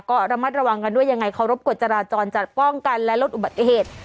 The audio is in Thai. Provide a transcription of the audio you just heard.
ก็ระมัดระวังกันด้วยยังไงเคารพกฎจราจรจัดป้องกันและลดอุบัติเหตุ